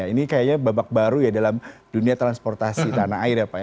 ini kayaknya babak baru ya dalam dunia transportasi tanah air ya pak ya